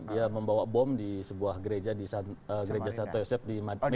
dia membawa bom di sebuah gereja di medan